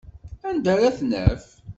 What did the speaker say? Anda ara t-naf?